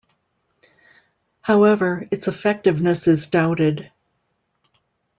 However, its effectiveness is doubted.